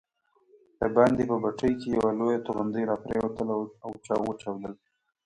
دباندې په بټۍ کې یوه لویه توغندۍ راپرېوتله او وچاودل.